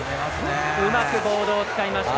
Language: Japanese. うまくボールを使いました。